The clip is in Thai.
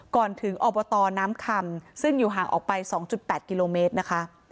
ก่อนถึงอบตน้ำคำซึ่งอยู่ห่างออกไป๒๘กิโลเมตรนะคะ